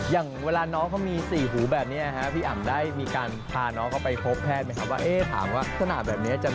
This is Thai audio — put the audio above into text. อย่างเวลาน้องเขามีสี่หูแบบนี้ครับ